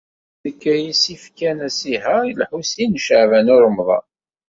D nekk ay as-yefkan asihaṛ i Lḥusin n Caɛban u Ṛemḍan.